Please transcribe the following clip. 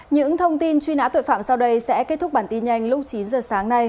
những thông tin truy nã tội phạm sau đây sẽ kết thúc bản tin nhanh lúc chín giờ sáng nay